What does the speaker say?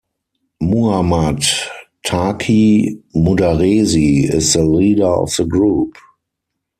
Muhamad Taki Mudaresi is the leader of the group.